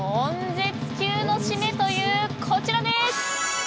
悶絶級の〆という、こちらです。